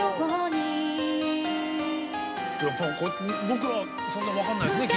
僕はそんな分かんないですね